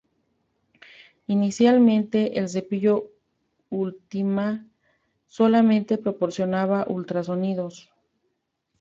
Inicialmente, el cepillo Ultima® solamente proporcionaba ultrasonidos.